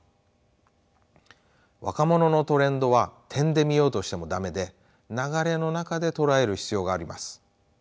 若者のトレンドは点で見ようとしても駄目で流れの中で捉える必要があります。